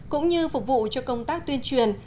cũng như phục vụ cho công tác tuyên truyền